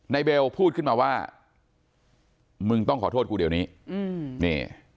นายเบลพูดขึ้นมาว่ามึงต้องขอโทษกูเดี๋ยวนี้